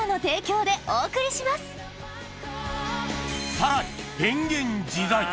さらに変幻自在！